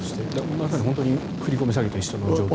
まさに振り込め詐欺と一緒の状況。